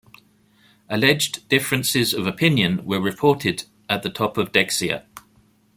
Alleged differences of opinion were reported at the top of Dexia.